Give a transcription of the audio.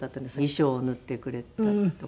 衣装を縫ってくれたりとか。